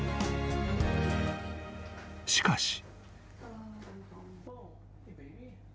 ［しかし］